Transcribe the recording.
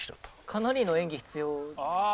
「かなりの演技必要」